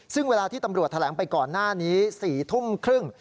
ซึ่งเวลาที่ตำรวจแถลงไปก่อนหน้านี้๔ทุ่มครึ่ง